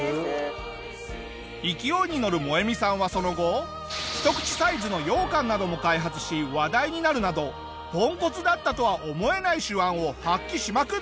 勢いにのるモエミさんはその後一口サイズの羊羹なども開発し話題になるなどポンコツだったとは思えない手腕を発揮しまくってるんだ。